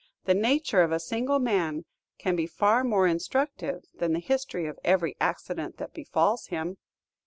The nature of a single man can be far more instructive than the history of every accident that befalls him.